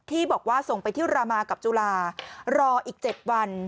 ที่บอกว่าส่งไปที่รามากับจุฬารออีก๗วัน